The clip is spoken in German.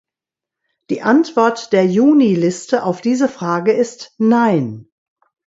Die Antwort der Juniliste auf diese Frage ist Nein.